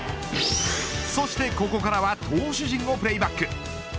そしてここからは投手陣をプレーバック。